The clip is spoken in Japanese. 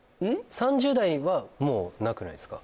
３０代はもうなくないですか？